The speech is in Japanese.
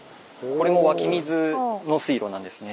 これも湧き水の水路なんですね。